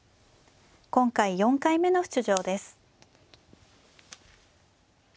今回４回目の出場です。